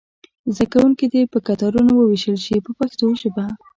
زده کوونکي دې په کتارونو وویشل شي په پښتو ژبه.